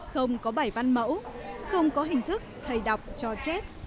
không có bảy văn mẫu không có hình thức thầy đọc cho chép